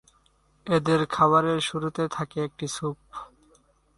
এদের খাবারের শুরুতে থাকে একটি স্যুপ।